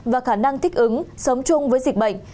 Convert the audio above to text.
và khả năng thích ứng sống chung với dịch bệnh